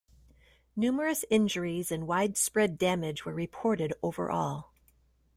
Numerous injuries and widespread damage were reported overall.